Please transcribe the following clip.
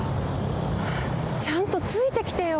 ちゃんとついてきてよ。